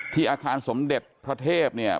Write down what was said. อาคารสมเด็จพระเทพเนี่ย